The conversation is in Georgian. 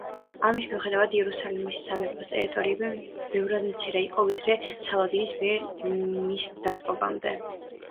ამის მიუხედავად იერუსალიმის სამეფოს ტერიტორიები ბევრად მცირე იყო, ვიდრე სალადინის მიერ მის დაპყრობამდე.